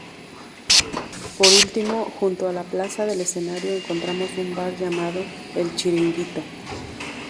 Por último, junto a la plaza del escenario encontramos un bar llamado ‘’El chiringuito’’.